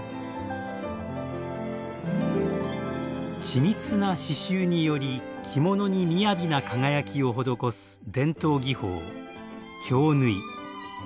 緻密な刺繍により着物にみやびな輝きを施す伝統技法京繍。